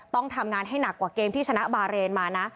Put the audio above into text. ต้องทำงานให้หนักกว่าเกมที่ชนะบาเรนมานะ